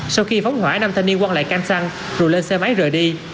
sau khi phóng hỏa năm thanh niên quăng lại can xăng rồi lên xe máy rời đi